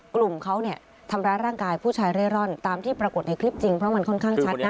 กลุ่มเขาเนี่ยทำร้ายร่างกายผู้ชายเร่ร่อนตามที่ปรากฏในคลิปจริงเพราะมันค่อนข้างชัดนะ